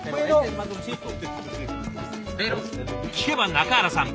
聞けば中原さん